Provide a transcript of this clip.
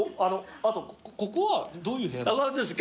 △ここはどういう部屋なんですか？